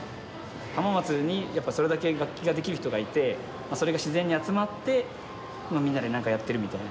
浜松にやっぱりそれだけ楽器ができる人がいてそれが自然に集まってみんなで何かやってるみたいな感じですね。